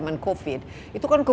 nahan yang dit alliance